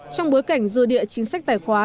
trong bối cảnh dư địa chính sách tài khoá